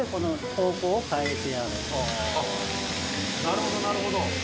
あっなるほどなるほど。